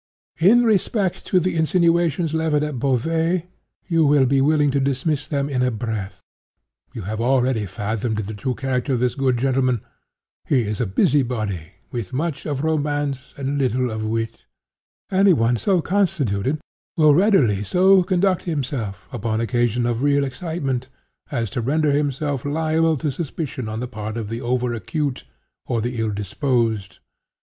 (*16) "In respect to the insinuations levelled at Beauvais, you will be willing to dismiss them in a breath. You have already fathomed the true character of this good gentleman. He is a busy body, with much of romance and little of wit. Any one so constituted will readily so conduct himself, upon occasion of real excitement, as to render himself liable to suspicion on the part of the over acute, or the ill disposed.